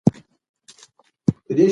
که مالیه ورکړو نو خدمات نه ټکنی کیږي.